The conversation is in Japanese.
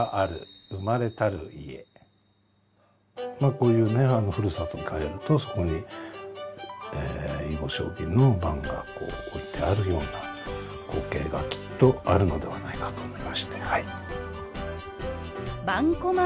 こういうねふるさとに帰るとそこに囲碁将棋の盤が置いてあるような光景がきっとあるのではないかと思いまして。